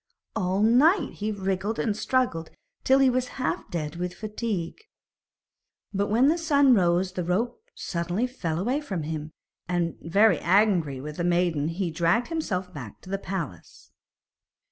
All night he wriggled and struggled till he was half dead with fatigue. But when the sun rose the rope suddenly fell away from him, and, very angry with the maiden he dragged himself back to the palace.